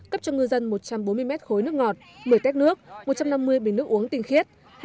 cấp cho ngư dân một trăm bốn mươi mét khối nước ngọt một mươi tét nước một trăm năm mươi bình nước uống tinh khiết